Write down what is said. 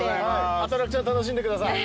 アトラクション楽しんでください。